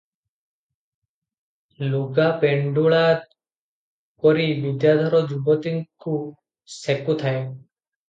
ଲୁଗା ପେଣ୍ଡୁଳା କରି ବିଦ୍ୟାଧର ଯୁବତୀକୁ ସେକୁଥାଏ ।